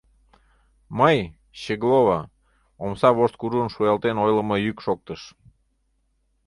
— Мый — Щеглово, — омса вошт кужун шуялтен ойлымо йӱк шоктыш.